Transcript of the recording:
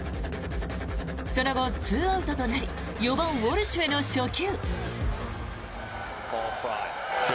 その後、２アウトとなり４番、ウォルシュへの初球。